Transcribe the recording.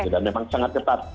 dan memang sangat ketat